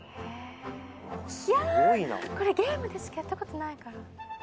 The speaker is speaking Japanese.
これゲームでしかやったことないから。